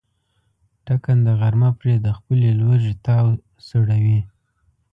ټکنده غرمه پرې د خپلې لوږې تاو سړوي.